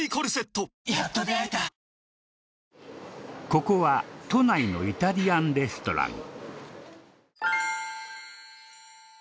ここは都内のイタリアンレストラン。